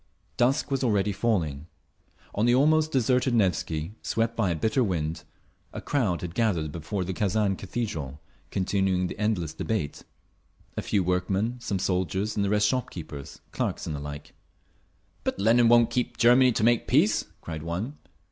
Dusk was already falling. On the almost deserted Nevsky, swept by a bitter wind, a crowd had gathered before the Kazan Cathedral, continuing the endless debate; a few workmen, some soldiers and the rest shop keepers, clerks and the like. "But Lenin won't get Germany to make peace!" cried one.